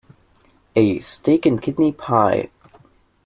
A steak-and-kidney pie.